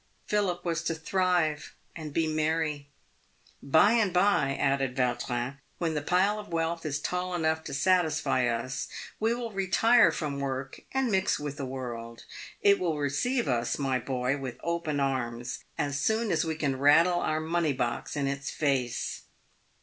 Philip was to thrive and be merry. " By and by," added Vautrin, " when the pile of wealth is tall enough to satisfy us, we will retire from work and mix with the world. It will receive us, my boy, with open arms, as soon as we can rattle our money box in its face.